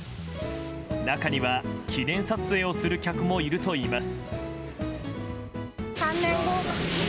中には、記念撮影をする客もいるといいます。